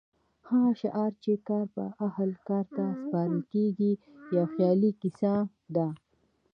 هغه شعار چې کار به اهل کار ته سپارل کېږي یو خیالي کیسه ده.